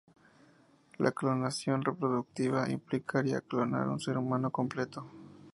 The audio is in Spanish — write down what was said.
La clonación reproductiva implicaría clonar un ser humano completo.